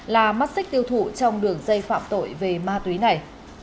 là mắt xích tiêu thụ trong đường dây phạm tội về ma túy này